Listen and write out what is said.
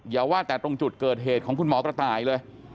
อย่าว่าแต่ตรงจุดเกิดเหตุของคุณหมอกระต่ายเลย